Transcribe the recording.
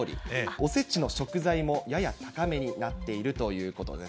おせちの食材もやや高めになっているということです。